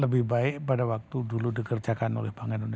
lebih baik pada waktu dulu dikerjakan oleh bank indonesia